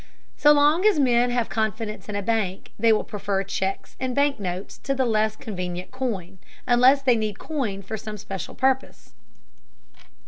So long as men have confidence in a bank, they will prefer checks and bank notes to the less convenient coin, unless they need coin for some special purpose.